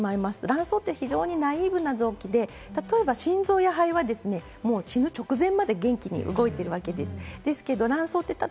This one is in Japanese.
卵巣って非常にナイーブな臓器で、例えば心臓や肺は死ぬ直前まで元気に動いているわけです。